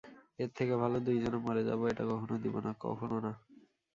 এর থেকে ভালো দুই জনে মরে যাবো এটা কখনও দিবো না, কখনও না।